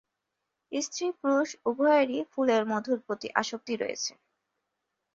স্ত্রী পুরুষ উভয়েরই ফুলের মধুর প্রতি আসক্তি রয়েছে।